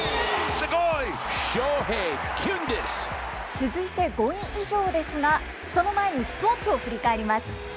続いて５位以上ですが、その前にスポーツを振り返ります。